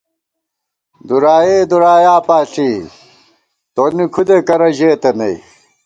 دُرائےدُرایا پاݪی ، تونی کھُدے کرہ ژېتہ نئ